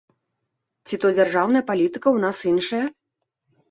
Ці то дзяржаўная палітыка ў нас іншая?